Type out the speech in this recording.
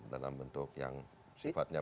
dalam bentuk yang sifatnya